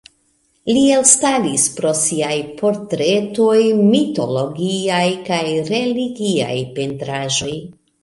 Li elstaris pro siaj portretoj, mitologiaj kaj religiaj pentraĵoj.